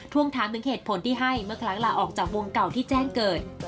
วงถามถึงเหตุผลที่ให้เมื่อครั้งลาออกจากวงเก่าที่แจ้งเกิด